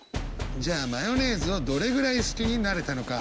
じゃあマヨネーズをどれぐらい好きになれたのか？